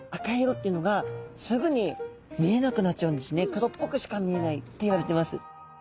黒っぽくしか見えないっていわれてます。